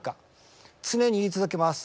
常に言い続けます